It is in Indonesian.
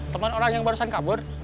teman orang yang barusan kabur